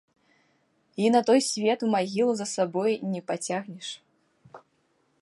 І на той свет у магілу за сабой не пацягнеш.